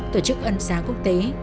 tổ chức ân xá quốc tế